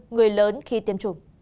người lớn khi tiêm chủng